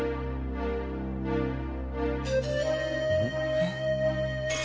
えっ？